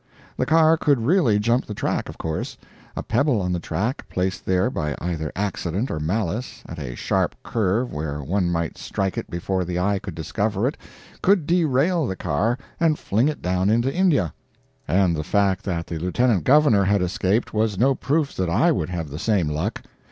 The car could really jump the track, of course; a pebble on the track, placed there by either accident or malice, at a sharp curve where one might strike it before the eye could discover it, could derail the car and fling it down into India; and the fact that the lieutenant governor had escaped was no proof that I would have the same luck.